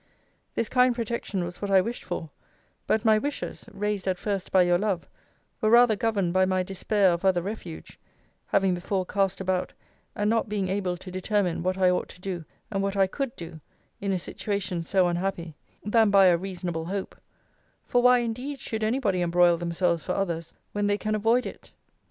This kind protection was what I wished for: but my wishes, raised at first by your love, were rather governed by my despair of other refuge [having before cast about, and not being able to determine, what I ought to do, and what I could do, in a situation so unhappy] than by a reasonable hope: For why indeed should any body embroil themselves for others, when they can avoid it?